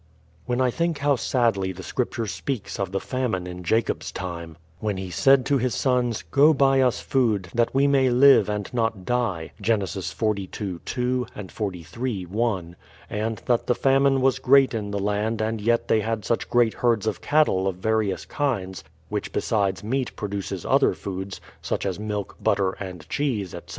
When I think how sadly the Scripture speaks of the famine in Jacob's time, when he said to his sons, "Go buy us food, that we may live and not die " (Gen. xlii, 2, and xliii, I ); and that the famine was great in the land and yet they had such great herds of cattle of various kinds, which besides meat produces other foods, such as milk, butter and cheese, etc.